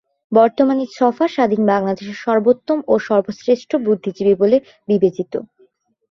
বর্তমানে ছফা স্বাধীন বাংলাদেশের সর্বোত্তম ও সর্বশ্রেষ্ঠ বুদ্ধিজীবী বলে বিবেচিত।